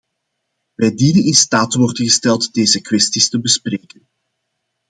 Wij dienen in staat te worden gesteld deze kwesties te bespreken.